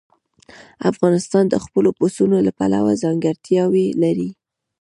افغانستان د خپلو پسونو له پلوه ځانګړتیاوې لري.